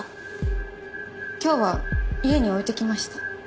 今日は家に置いてきました。